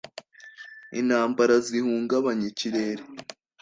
intambara zihungabanya ikirere!